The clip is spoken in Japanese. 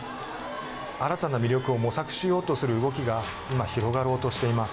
新たな魅力を模索しようとする動きが今、広がろうとしています。